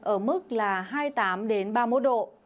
ở mức là hai mươi tám ba mươi một độ